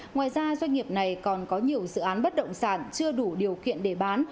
ngoài ra doanh nghiệp này còn có nhiều dự án bất động sản chưa đủ điều kiện để bán